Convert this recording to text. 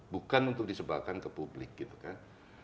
bukan untuk disebarkan ke publik gitu kan